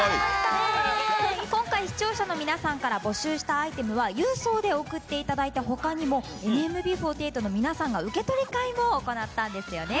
今回視聴者の皆さんから募集したアイテムは郵送で送っていただいた他にもＮＭＢ４８の皆さんが受け取り会を行ったんですよね。